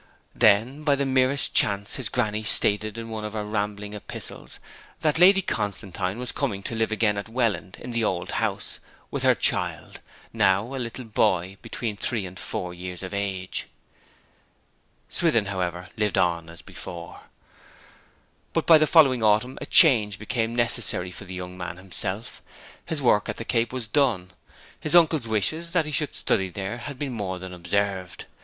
Then by the merest chance his granny stated in one of her rambling epistles that Lady Constantine was coming to live again at Welland in the old house, with her child, now a little boy between three and four years of age. Swithin, however, lived on as before. But by the following autumn a change became necessary for the young man himself. His work at the Cape was done. His uncle's wishes that he should study there had been more than observed.